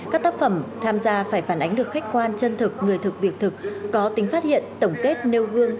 các tác phẩm tham gia phải phản ánh được khách quan chân thực người thực việc thực có tính phát hiện tổng kết nêu gương